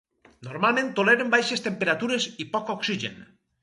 Normalment toleren baixes temperatures i poc oxigen.